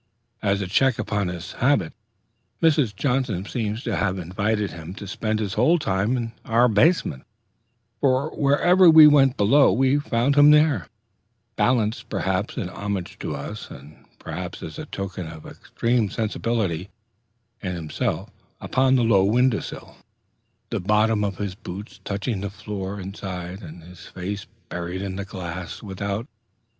As a check upon this habit, Mrs. Johnson seemed to have invited him to spend his whole time in our basement; for whenever we went below we found him there, balanced perhaps in homage to us, and perhaps as a token of extreme sensibility in himself upon the low window sill, the bottoms of his boots touching the floor inside, and his face buried in the grass without.